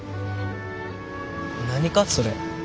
何かそれ。